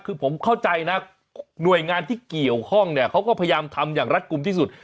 คือผมเข้าใจนะหน่วยงานที่เกี่ยวข้องเนี่ยเขาก็พยายามทำอย่างรัฐกลุ่มที่สุด